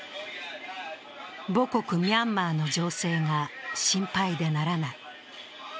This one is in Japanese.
母国ミャンマーの情勢が心配でならない。